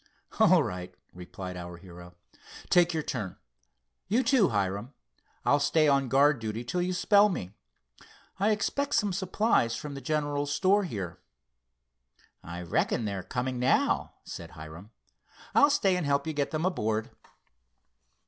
"All right," replied our hero. "Take your turn. You, too, Hiram. I'll stay on guard duty till you spell me. I expect some supplies from the general store here." "I reckon they're coming now," said Hiram. "I'll stay and help you get them aboard."